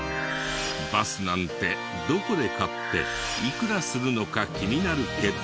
バスなんてどこで買っていくらするのか気になるけど。